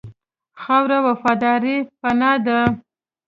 خاوره وفاداره پناه ده.